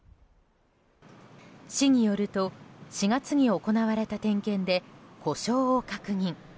市によると４月に行われた点検で故障を確認。